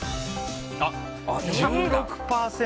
１６％。